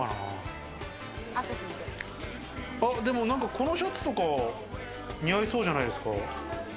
このシャツとか似合いそうじゃないですか？